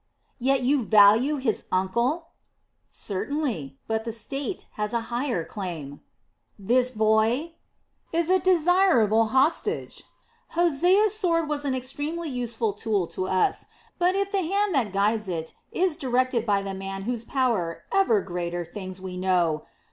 "Yet you value his uncle?" "Certainly. But the state has a higher claim." "This boy...." "Is a desirable hostage. Hosea's sword was an extremely useful tool to us; but if the hand that guides it is directed by the man whose power ever greater things we know...."